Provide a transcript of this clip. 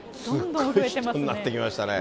すっごい人になってきましたね。